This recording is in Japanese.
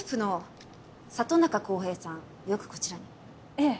ええ。